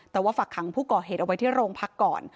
แต่ว่าฝากขังผู้ก่อเหตุเอาไว้ที่โรงพักก่อน